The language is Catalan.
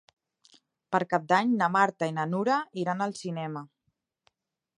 Per Cap d'Any na Marta i na Nura iran al cinema.